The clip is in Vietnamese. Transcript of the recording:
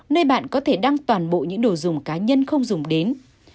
nơi bạn có thể đăng toàn bộ những đồ dùng cá nhân không dùng đến